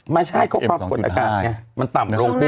ไม่ใช่เพราะว่าความกดอากาศมันต่ำ